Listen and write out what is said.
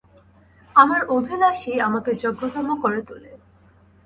আমার অভিলাষই আমাকে যোগ্যতম করে তুলে।